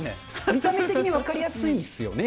見た目的に分かりやすいっすよね。